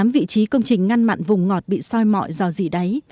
một mươi tám vị trí công trình ngăn mặn vùng ngọt bị soi mọi do gì đấy